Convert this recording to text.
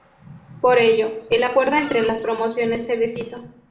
Por ello, el acuerdo entre las promociones se deshizo.